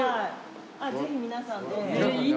ぜひ皆さんで。